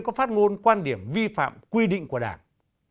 có phát ngôn quan điểm vi phạm quy định của đảng